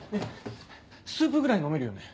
スープぐらい飲めるよね？